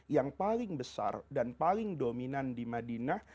yang paling besar dan paling dominan di madinah